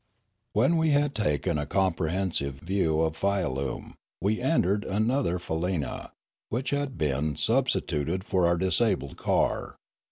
When we had taken a comprehensive view of Fia lume, we entered another faleena, which had been sub stituted for our disabled car.